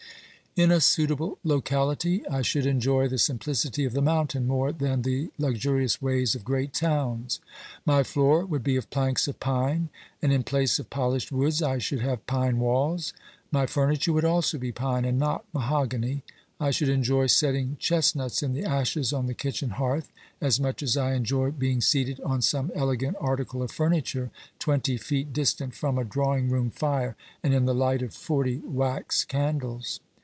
In a suitable locality I should enjoy the simplicity of the mountain more than the luxurious ways of great towns. My floor would be of planks of pine, and in place of polished woods I should have pine walls ; my furniture would also be pine, and not mahogany. I should enjoy setting chest nuts in the ashes on the kitchen hearth as much as I enjoy being seated on some elegant article of furniture twenty feet distant from a drawing room fire and in the light of forty wax candles.